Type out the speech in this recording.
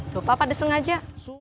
lupa apa deseng aja